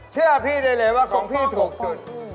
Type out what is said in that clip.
เชื่อพี่ได้เลยว่าของพี่ถูกสุด